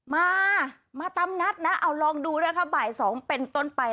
มามาตามนัดนะเอาลองดูนะคะบ่าย๒เป็นต้นไป